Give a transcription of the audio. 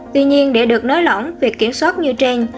tuy nhiên để được nới lỏng việc kiểm soát như trên